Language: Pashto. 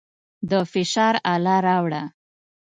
د فشار اله راوړه.